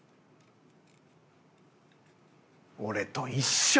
俺と一緒。